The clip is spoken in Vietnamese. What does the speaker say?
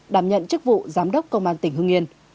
đảm nhận chức vụ giám đốc công an tỉnh hưng yên